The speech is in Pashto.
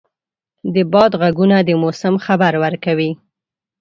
د باد ږغونه د موسم خبر ورکوي.